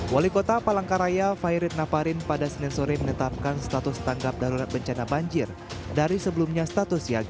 wali kota palangkaraya fairit naparin pada senin sore menetapkan status tanggap darurat bencana banjir dari sebelumnya status siaga